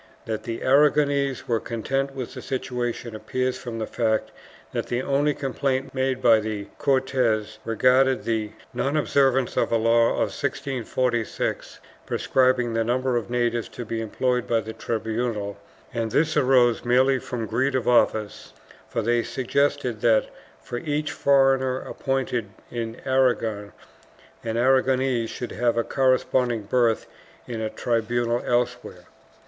That the Aragonese were content with the situation appears from the fact that the only complaint made by the Cortes regarded the non observance of a law of 1646 prescribing the number of natives to be employed by the tribunal, and this arose merely from greed of office, for they suggested that, for each foreigner appointed in Aragon, an Aragonese should have a corresponding berth in a tribunal elsewhere.